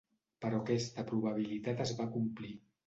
Però aquesta probabilitat es va complir.